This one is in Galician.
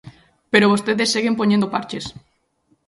Pero vostedes seguen poñendo parches.